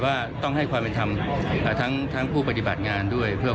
ว่าต้องให้ความเป็นธรรมทั้งผู้ปฏิบัติงานด้วยเพื่อ